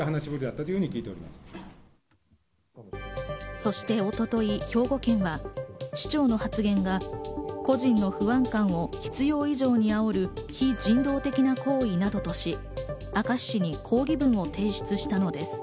そして一昨日兵庫県は、市長の発言が個人の不安感を必要以上に煽る非人道的な行為などとし、明石市に抗議文を提出したのです。